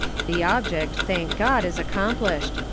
The object, thank God, is accomplished.